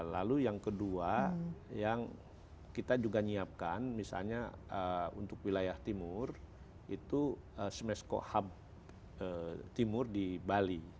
lalu yang kedua yang kita juga nyiapkan misalnya untuk wilayah timur itu smesco hub timur di bali